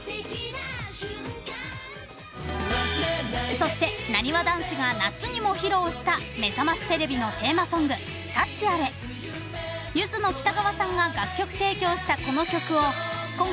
［そしてなにわ男子が夏にも披露した『めざましテレビ』のテーマソング『サチアレ』］［ゆずの北川さんが楽曲提供したこの曲を今回この２組の初共演で届けてくださいます］